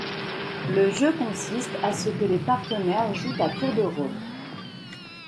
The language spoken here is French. Le jeu consiste à ce que les partenaires jouent à tour de rôle.